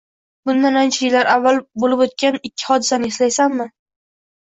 — Bundan ancha yillar avval bo'lib o'tgan ikki hrdisani eslaysanmi